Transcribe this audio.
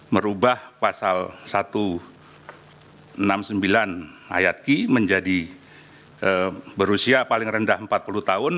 merubah pasal satu ratus enam puluh sembilan ayat ki menjadi berusia paling rendah empat puluh tahun